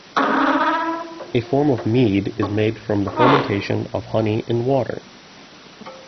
A form of mead, it is made from the fermentation of honey in water.